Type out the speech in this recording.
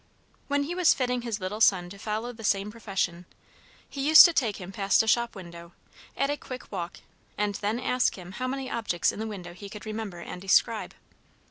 When he was fitting his little son to follow the same profession, he used to take him past a shop window, at a quick walk, and then ask him how many objects in the window he could remember and describe.